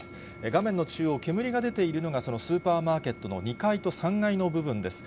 画面の中央、煙が出ているのが、そのスーパーマーケットの２階と３階の部分です。